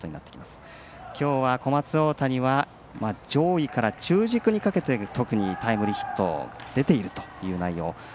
きょうは小松大谷は上位から中軸にかけて特にタイムリーヒット出ているという内容。